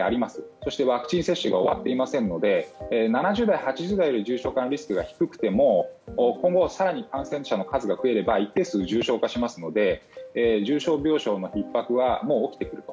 そしてワクチン接種が終わっていませんので７０代、８０代より重症化リスクが低くても今後更に感染者数が増えれば一定数、重症化しますので重症病床のひっ迫はもう起きてくると。